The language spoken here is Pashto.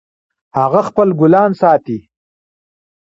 هغه خپل ګلان ساتي